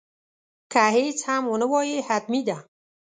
که هیڅ هم ونه وایې حتمي ده.